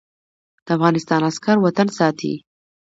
د افغانستان عسکر وطن ساتي